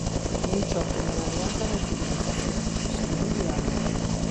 Nin choque nin alianza de civilizacións, senón diálogo.